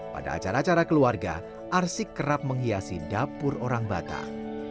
pada acara acara keluarga arsik kerap menghiasi dapur orang batak